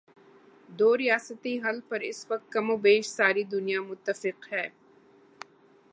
دو ریاستی حل پر اس وقت کم و بیش ساری دنیا متفق ہے۔